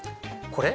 これ？